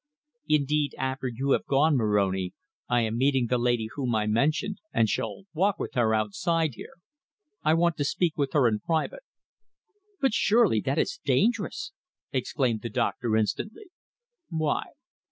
"Indeed, after you have gone, Moroni, I am meeting the lady whom I mentioned, and shall walk with her outside here. I want to speak with her in private." "But surely that is dangerous!" exclaimed the doctor instantly. "Why?"